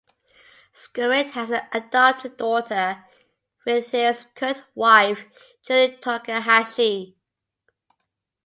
Skerritt has an adopted daughter with his current wife Julie Tokahashi.